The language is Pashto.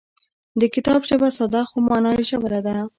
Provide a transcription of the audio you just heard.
د کتاب ژبه ساده خو مانا یې ژوره ده.